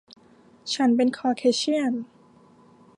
ฉันเป็นคอร์เคเชี่ยน